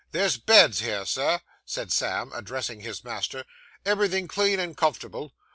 There's beds here, sir,' said Sam, addressing his master, 'everything clean and comfortable.